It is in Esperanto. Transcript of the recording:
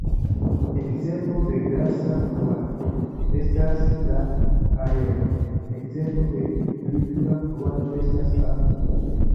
Ekzemplo de gasa fluaĵo estas la aero; ekzemplo de likva fluaĵo estas akvo.